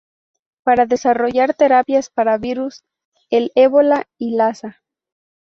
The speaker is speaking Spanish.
Para desarrollar terapias para virus del Ébola y Lassa.